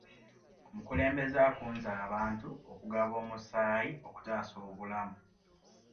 Omukulembeze akunze abantu okugaba omusaayi okutaasa obulamu.